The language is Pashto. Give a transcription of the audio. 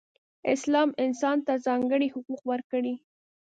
اسلام انسان ته ځانګړې حقوق ورکړئ.